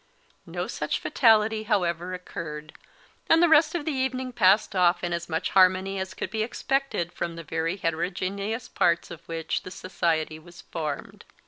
No such fatality, however, occurred; and the rest of the evening passed off in as much harmony as could be expected from the very heterogeneous parts of which the society was formed.